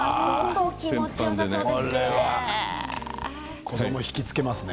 これは子どもを引きつけますね。